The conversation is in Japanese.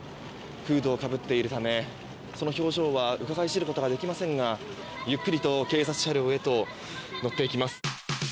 フードをかぶっているためその表情はうかがい知ることはできませんがゆっくりと警察車両へと乗っていきます。